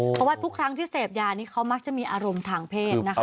เพราะว่าทุกครั้งที่เสพยานี่เขามักจะมีอารมณ์ทางเพศนะคะ